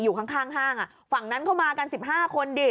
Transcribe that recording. ข้างห้างฝั่งนั้นเข้ามากัน๑๕คนดิ